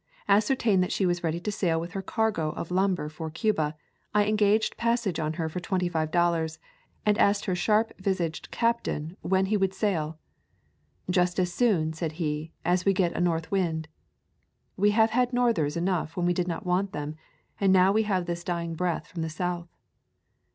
Ascertained that she was ready to sail with her cargo of lumber for Cuba. I engaged passage on her for twenty five dollars, and asked her sharp visaged captain when he would sail. "Just as soon," said he, "as we get a north wind. We have had northers enough when we did not want them, and now we have this dying breath from the south."